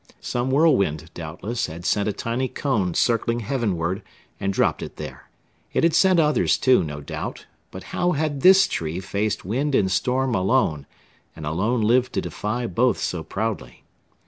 Some whirlwind, doubtless, had sent a tiny cone circling heavenward and dropped it there. It had sent others, too, no doubt, but how had this tree faced wind and storm alone and alone lived to defy both so proudly?